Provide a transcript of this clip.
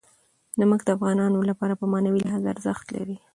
نمک د افغانانو لپاره په معنوي لحاظ ارزښت لري.